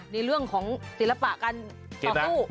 ในเรื่องของศิลปะการต่อสู้